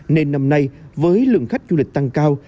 nên năm nay với lượng khách du lịch tăng cao